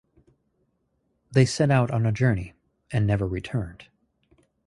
They set out on a journey, and never returned.